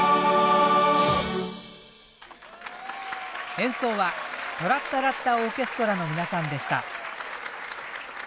演奏はトラッタラッタオーケストラの皆さんでした。